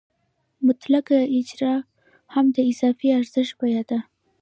مطلقه اجاره هم د اضافي ارزښت بیه ده